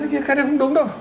cái này không đúng đâu